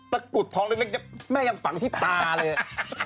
กุดทองเล็กแม่ยังฝังที่ตาเลย